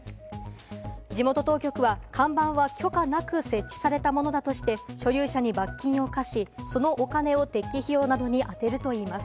地元当局は、看板は許可なく設置されたものだとして、所有者に罰金を科し、そのお金を撤去費用などに充てるということです。